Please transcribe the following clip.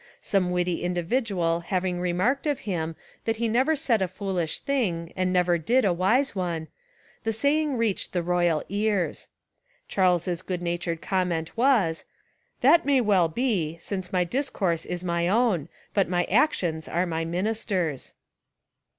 Some witty individual having remarked of him that he never said a foolish thing and never did a wise one, the saying reached the royal ears, Charles's good natured comment was. Essays and Literary Studies "That may well be, since my discourse is my own, but my actions are my ministers'."